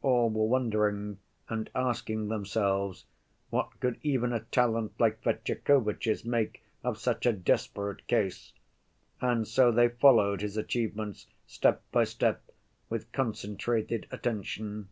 All were wondering and asking themselves what could even a talent like Fetyukovitch's make of such a desperate case; and so they followed his achievements, step by step, with concentrated attention.